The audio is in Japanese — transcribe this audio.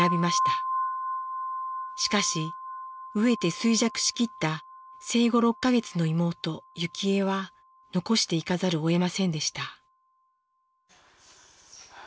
しかし飢えて衰弱しきった生後６か月の妹幸江は残していかざるをえませんでした。